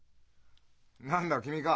何だ君か。